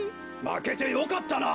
まけてよかったな。